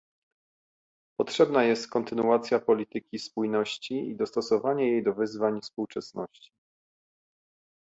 potrzebna jest kontynuacja polityki spójności i dostosowanie jej do wyzwań współczesności